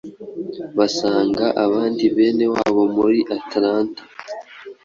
basanga abandi bene wabo muri Atlanta,